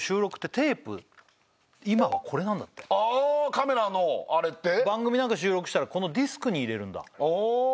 カメラのあれで番組なんか収録したらこのディスクに入れるんだああ